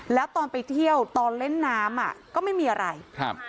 แล้วตอนไปเที่ยวตอนเล่นน้ำอ่ะก็ไม่มีอะไรครับ